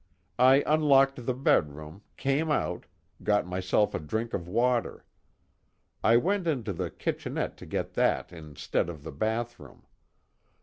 I unlocked the bedroom, came out, got myself a drink of water. I went into the kitchenette to get that instead of to the bathroom.